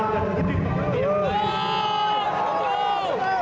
takkan sehat dengan talan dan hidup